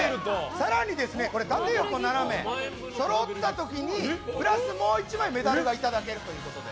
更に縦、横、斜めがそろった時にプラスもう１枚メダルがいただけるということで。